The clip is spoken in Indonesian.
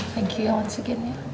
thank you once again ya